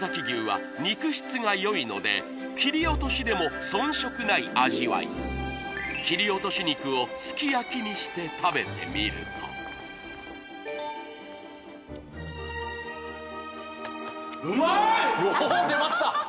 牛は肉質がよいので切り落としでも遜色ない味わい切り落とし肉をすき焼きにして食べてみるともう出ました！